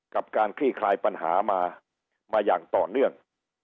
กับการคลี่คลายปัญหามามาอย่างต่อเนื่อง